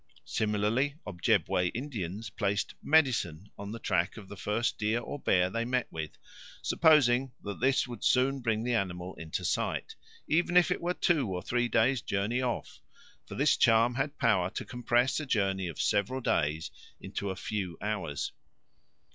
Similarly, Ojebway Indians placed "medicine" on the track of the first deer or bear they met with, supposing that this would soon bring the animal into sight, even if it were two or three days' journey off; for this charm had power to compress a journey of several days into a few hours.